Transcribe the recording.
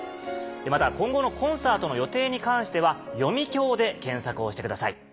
また今後のコンサートの予定に関しては「読響」で検索をしてください。